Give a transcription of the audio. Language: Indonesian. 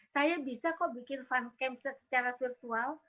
saya bisa kok bikin fun campset secara virtual